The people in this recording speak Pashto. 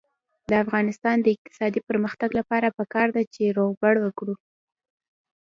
د افغانستان د اقتصادي پرمختګ لپاره پکار ده چې روغبړ وکړو.